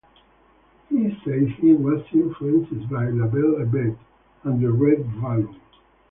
He says he was influenced by "La Belle et Bete" and "The Red Balloon".